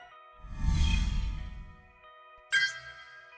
hãy đăng ký kênh để ủng hộ kênh của mình nhé